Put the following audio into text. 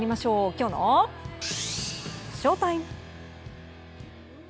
きょうのＳＨＯＴＩＭＥ。